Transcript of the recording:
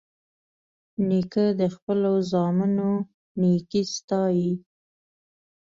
نیکه د خپلو زامنو نیکي ستايي.